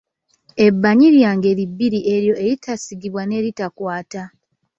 Ebbanyi lya ngeri bbiri eryo eritasiigibwa n’eritakwata.